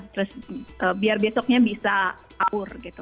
terus biar besoknya bisa sahur gitu